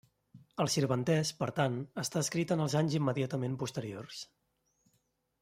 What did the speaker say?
El sirventès, per tant, està escrit en els anys immediatament posteriors.